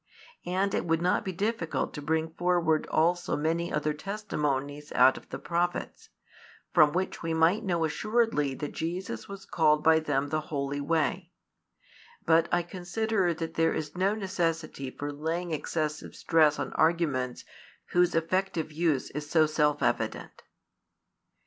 And it would not be difficult to bring forward also many other testimonies out of the prophets, from which we might know assuredly that Jesus was called by them the holy "Way"; but I consider that there is |240 no necessity for laying excessive stress on arguments whose effective use is so self evident.